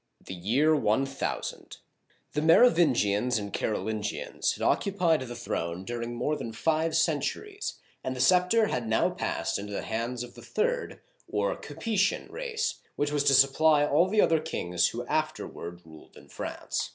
THE YEAR ONE THOUSAND THE Merovingians and Carolingians had occupied the throne during more than five centuries, and the scepter had now passed into the hands of the third, or Ca pe'tian race, which was to supply all the other kings who afterward ruled in France.